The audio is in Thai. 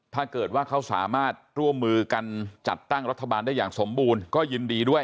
ถ้าเกิดว่าเขาสามารถร่วมมือกันจัดตั้งรัฐบาลได้อย่างสมบูรณ์ก็ยินดีด้วย